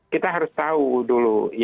kita harus tahu dulu